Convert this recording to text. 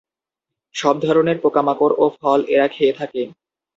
সব ধরনের পোকামাকড় ও ফল এরা খেয়ে থাকে।